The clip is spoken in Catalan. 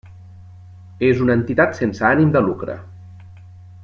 És una entitat sense ànim de lucre.